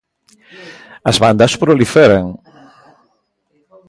As bandas proliferan.